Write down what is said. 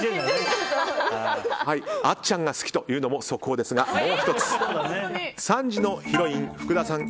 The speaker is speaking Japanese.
あっちゃんが好きというのも速報ですがもう１つ３時のヒロイン福田さん